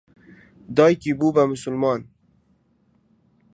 دایکی بوو بە موسڵمان.